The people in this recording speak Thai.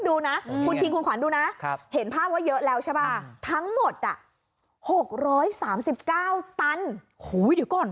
ดูนะคุณพีคคุณขวัญดูนะเห็นภาพเยอะแล้วใช่ไหมทั้งหมด๖๓๙ตัน